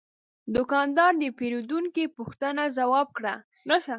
دوکاندار د پیرودونکي پوښتنه ځواب کړه.